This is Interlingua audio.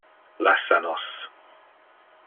Lassa nos.